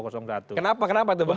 kenapa kenapa tuhan